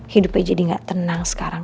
hidupnya jadi gak tenang sekarang